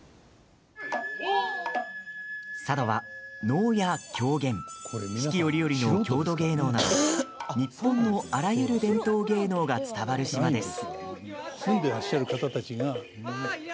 佐渡は、能や狂言四季折々の郷土芸能など日本のあらゆる伝統芸能が伝わる島です。